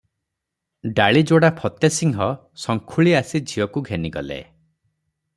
ଡାଳିଯୋଡ଼ା ଫତେସିଂହ ସଙ୍ଖୁଳି ଆସି ଝିଅକୁ ଘେନିଗଲେ ।